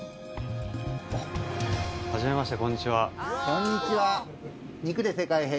あっ！はじめましてこんにちは。